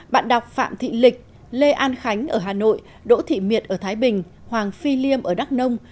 bạn đọc phạm thị lịch lê an khánh ở hà nội đỗ thị miệt ở thái bình hoàng phi liêm ở đắk nông